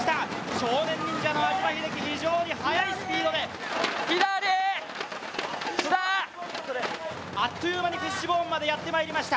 少年忍者の安嶋秀生、非常に速いスピードであっという間にフィッシュボーンまでやってまいりました。